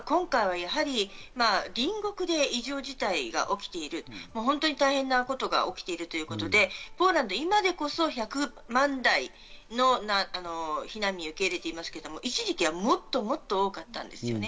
ところが今回はやはり隣国で異常事態が起きている、本当に大変なことが起きているということで、ポーランドは今でこそ１００万台の避難民を受け入れていますけど、一時期はもっともっと多かったんですよね。